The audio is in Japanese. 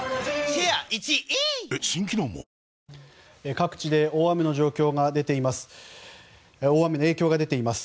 各地で大雨の影響が出ています。